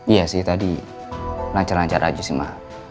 iya sih tadi lancar lancar aja sih mah